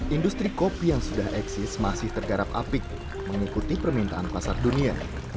industri kopi yang sudah eksis masih tergarap apik mengikuti permintaan pasar dunia